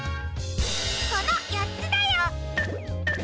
このよっつだよ！